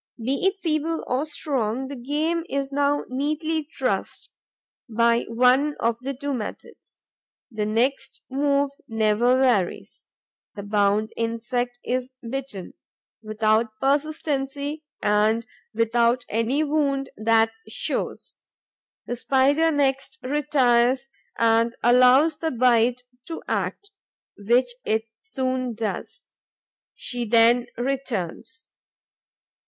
Be it feeble or strong, the game is now neatly trussed, by one of the two methods. The next move never varies. The bound insect is bitten, without persistency and without any wound that shows. The Spider next retires and allows the bite to act, which it soon does. She then returns.